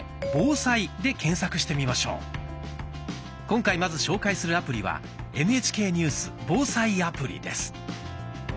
今回まず紹介するアプリは「ＮＨＫニュース・防災アプリ」です。